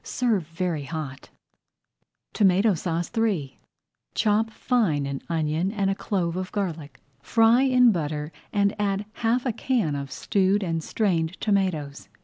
Serve very hot. TOMATO SAUCE III Chop fine an onion and a clove of garlic. Fry in butter and add half a can of stewed and strained tomatoes.